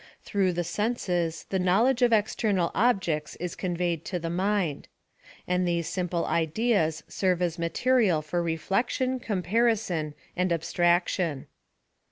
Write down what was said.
Through the senses the know ledge of external objects is conveyed to the mind, and these simple ideas serve as material for reflec tion, comparison and abstraction.